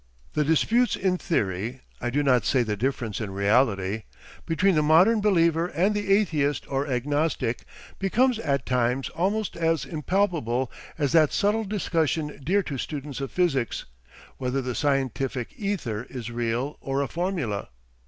The disputes in theory I do not say the difference in reality between the modern believer and the atheist or agnostic becomes at times almost as impalpable as that subtle discussion dear to students of physics, whether the scientific "ether" is real or a formula.